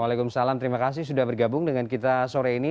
waalaikumsalam terima kasih sudah bergabung dengan kita sore ini